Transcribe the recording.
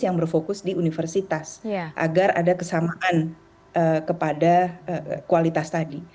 yang berfokus di universitas agar ada kesamaan kepada kualitas tadi